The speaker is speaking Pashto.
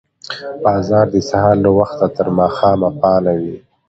بازار د سهار له وخته تر ماښامه فعال وي